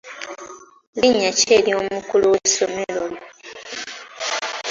Linnya ki ery'omukulu w'essomero lyo?